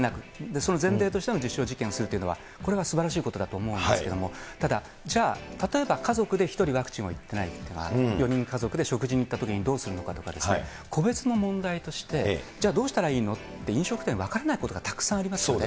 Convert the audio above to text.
その前提として実証実験をするというのは、これはすばらしいことだと思うんですけれども、ただじゃあ、例えば家族で１人ワクチンを打っていないと、４人家族で食事に行ったときに、どうするのかとか、個別の問題として、じゃあ、どうしたらいいのって、飲食店、分からないことがたくさんありますよね。